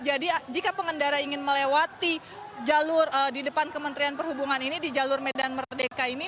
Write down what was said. jadi jika pengendara ingin melewati jalur di depan kementerian perhubungan ini di jalur medan merdeka ini